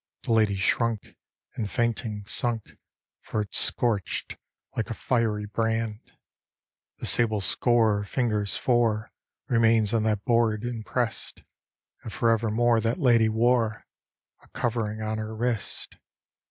The lady shrunk, and fainting sunk, For it scorched like a fiery brand. The sable score, of fingers four, Remains on that board impress'd, And forever more that lady wore A covering on her wrist.